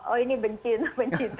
oh ini bencin